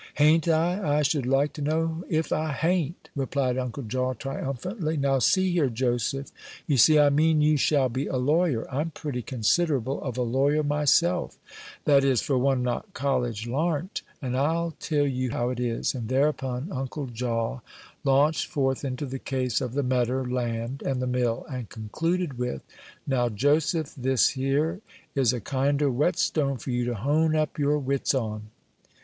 "Hain't I? I should like to know if I hain't!" replied Uncle Jaw, triumphantly. "Now, see here, Joseph: you see, I mean you shall be a lawyer: I'm pretty considerable of a lawyer myself that is, for one not college larnt; and I'll tell you how it is" and thereupon Uncle Jaw launched forth into the case of the medder land and the mill, and concluded with, "Now, Joseph, this 'ere is a kinder whetstone for you to hone up your wits on."